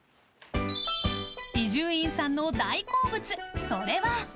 伊集院さんの大好物それは。